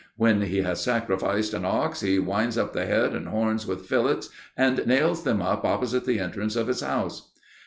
"When he has sacrificed an ox, he winds the head and horns with fillets, and nails them up, opposite the entrance of his house."